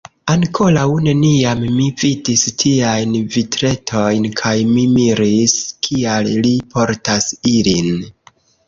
Ankoraŭ neniam mi vidis tiajn vitretojn kaj mi miris, kial li portas ilin.